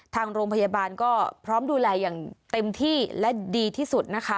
ทางโรงพยาบาลก็พร้อมดูแลอย่างเต็มที่และดีที่สุดนะคะ